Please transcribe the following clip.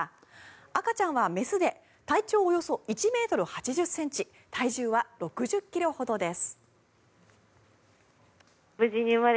赤ちゃんは雌で体長およそ１ｍ８０ｃｍ体重は６０ｋｇほどです。